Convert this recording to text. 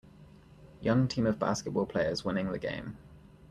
Young Team of Basketball players winning the game.